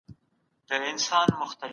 د ملکیت غوښتنه یو طبیعي امر دی.